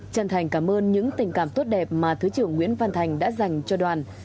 chân thành cảm ơn những tình cảm tốt đẹp mà thứ trưởng nguyễn văn thành đã dành cho đoàn